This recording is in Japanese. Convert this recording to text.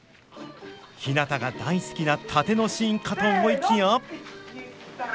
ひなたが大好きな殺陣のシーンかと思いきや。